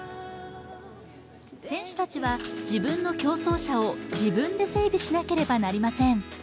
選手たちは、自分の競争車を自分で整備しなければなりません。